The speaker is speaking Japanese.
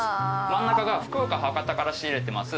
真ん中が福岡博多から仕入れてます